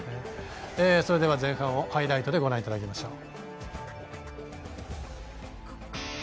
それでは前半をハイライトでご覧いただきましょう。